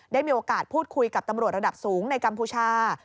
ได้มีโอกาสพูดคุยกับตำรวจระดับสูงในกัมพูชา